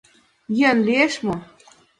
Йӧн лиеш мо?